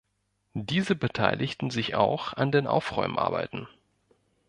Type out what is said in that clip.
Diese beteiligten sich auch an den Aufräumarbeiten.